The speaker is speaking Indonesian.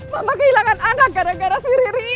mama kehilangan anak gara gara sendiriri